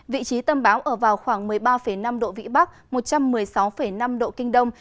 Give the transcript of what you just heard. vị trí tâm bão ở vào khoảng một mươi ba năm độ vĩ bắc một trăm một mươi sáu năm độ kinh đông